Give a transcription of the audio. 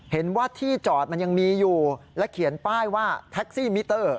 เห็นว่าที่จอดมันยังมีอยู่และเขียนป้ายว่าแท็กซี่มิเตอร์